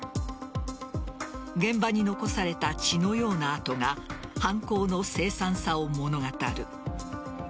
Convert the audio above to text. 現場に残された血のような跡が犯行の凄惨さを物語る。